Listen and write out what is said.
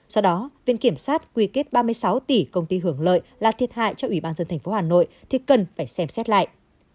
do đó viện kiểm sát quy kết ba mươi sáu tỷ công ty hưởng lợi là thiệt hại cho ủy ban dân thành phố hà nội thì cần phải xem xét lại